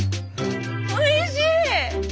おいしい！